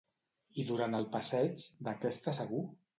I durant el passeig, de què està segur?